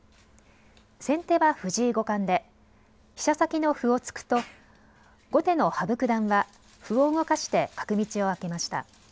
先手は藤井五冠で飛車先の歩を突くと後手の羽生九段は歩を動かして角道を開けました。